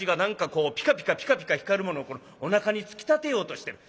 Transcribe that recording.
こうピカピカピカピカ光るものをおなかに突き立てようとしている。